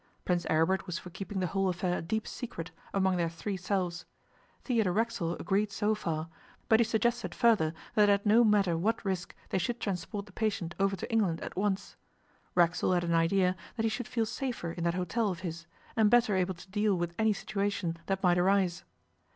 Prince Aribert was for keeping the whole affair a deep secret among their three selves. Theodore Racksole agreed so far, but he suggested further that at no matter what risk they should transport the patient over to England at once. Racksole had an idea that he should feel safer in that hotel of his, and better able to deal with any situation that might arise.